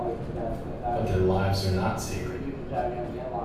But their lives are not sacred.